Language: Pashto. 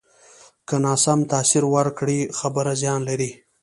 که ناسم تاثر ورکړې، خبره زیان لري